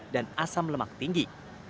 dan asam lemak tinggi